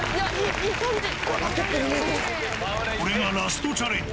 これがラストチャレンジ。